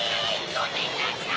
ごめんなさい。